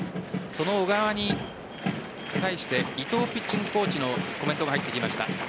その小川に対して伊藤ピッチングコーチのコメントが入ってきました。